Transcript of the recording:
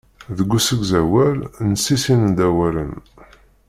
Deg usegzawal, nessissin-d awalen.